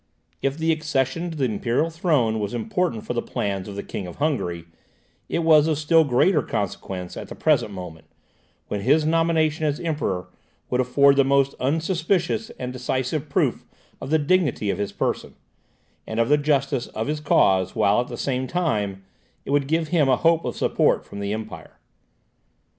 If the accession to the imperial throne was important for the plans of the King of Hungary, it was of still greater consequence at the present moment, when his nomination as Emperor would afford the most unsuspicious and decisive proof of the dignity of his person, and of the justice of his cause, while, at the same time, it would give him a hope of support from the Empire.